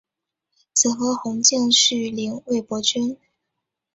子何弘敬续领魏博军。